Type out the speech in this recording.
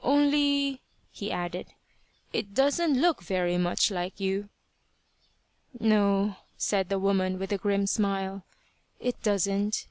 Only," he added, "it doesn't look very much like you." "No," said the woman, with a grim smile, "it doesn't.